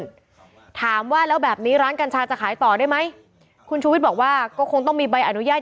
ถามว่าแล้วแบบนี้ร้านกัญชาจะขายต่อได้ไหมคุณชูวิทย์บอกว่าก็คงต้องมีใบอนุญาต